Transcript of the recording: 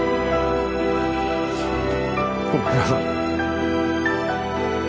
ごめんなさい。